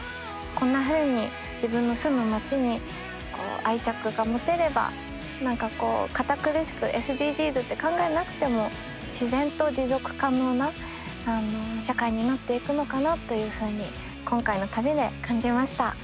こんなふうに自分の住む町に愛着が持てれば何かこう堅苦しくＳＤＧｓって考えなくても自然と持続可能な社会になっていくのかなというふうに今回の旅で感じました。